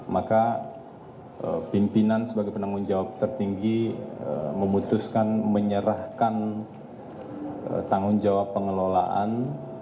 maka pimpinan sebagai penanggung jawab tertinggi memutuskan menyerahkan tanggung jawab pengelolaan